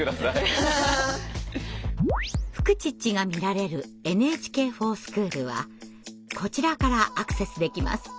「フクチッチ」が見られる「ＮＨＫｆｏｒＳｃｈｏｏｌ」はこちらからアクセスできます。